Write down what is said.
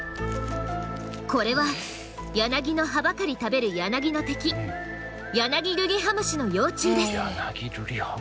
これはヤナギの葉ばかり食べるヤナギルリハムシの幼虫。